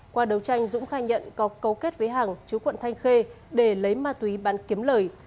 qua đấu tranh dũng khai nhận có cấu kết với hàng chú quận thanh khê để lấy ma túy bán kiếm lời